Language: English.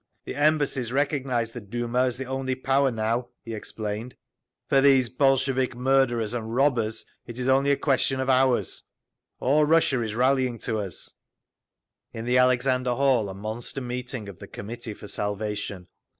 "The Embassies recognise the Duma as the only power now," he explained. "For these Bolshevik murderers and robbers it is only a question of hours. All Russia is rallying to us…. In the Alexander Hall a monster meeting of the Committee for Salvation.